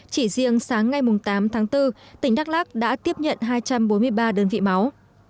chỉ riêng sáng ngày tám tháng bốn tỉnh đắk lắc đã tiếp nhận hai trăm bốn mươi ba đơn vị máu